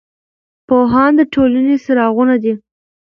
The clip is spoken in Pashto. پوهان د ټولنې څراغونه دي.